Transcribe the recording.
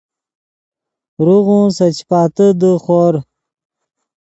روغون سے چیاتے دے خور